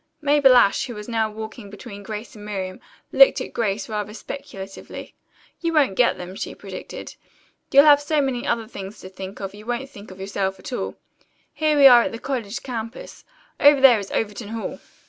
Mabel Ashe, who was now walking between Grace and Miriam, looked at Grace rather speculatively. "You won't get them," she predicted. "You'll have so many other things to think of, you won't think of yourself at all. Here we are at the college campus. Over there is Overton Hall."